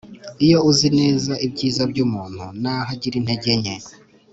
Iyo uzi neza ibyiza by umuntu n aho agira intege nke